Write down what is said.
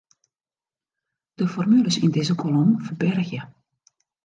De formules yn dizze kolom ferbergje.